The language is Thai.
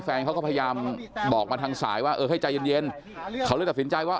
แฟนเขาก็พยายามบอกมาทางสายว่าเออให้ใจเย็นเขาเลยตัดสินใจว่า